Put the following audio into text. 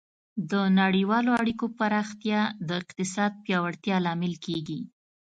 د نړیوالو اړیکو پراختیا د اقتصاد پیاوړتیا لامل کیږي.